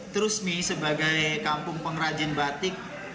trusmi sebagai kampung pengrajin batik